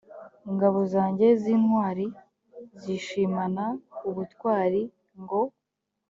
ingabo zanjye z intwari zishimana ubutwari ngo